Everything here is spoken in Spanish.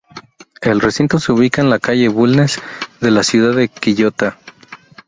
El recinto se ubica en la calle Bulnes de la ciudad de Quillota.